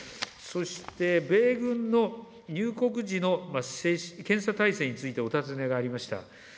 そして、米軍の入国時の検査体制についてお尋ねがありました。